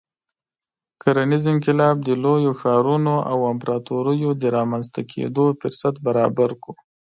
کرنیز انقلاب د لویو ښارونو او امپراتوریو د رامنځته کېدو فرصت برابر کړ.